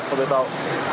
kalau saya tahu